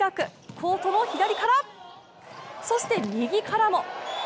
コートの左から、そして右からも。